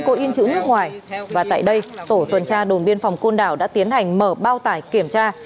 có in chữ nước ngoài và tại đây tổ tuần tra đồn biên phòng côn đảo đã tiến hành mở bao tải kiểm tra